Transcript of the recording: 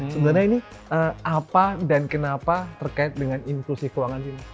sebenarnya ini apa dan kenapa terkait dengan inklusif keuangan ini